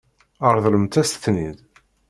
Ṛeḍlemt-as-ten-id.